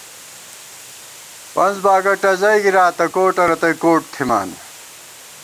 پنڅ باگہ ٹزَئی گِراتہ، کوٹہ رتئی کوٹ تھِمان